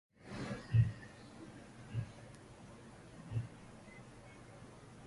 Rekord! Eldor Shomurodovning narxi keskin oshdi